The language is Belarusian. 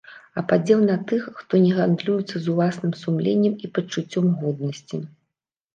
А падзел на тых, хто не гандлюецца з уласным сумленнем і пачуццём годнасці.